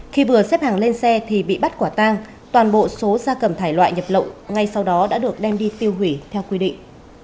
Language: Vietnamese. khi vừa xếp hàng lên xe thì bị bắt quả tang toàn bộ số gia cầm thải loại nhập lậu ngay sau đó đã được đem đi tiêu hủy theo quy định